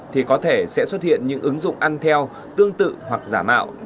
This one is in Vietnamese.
thì có thể sẽ xuất hiện những ứng dụng ăn theo tương tự hoặc giả mạo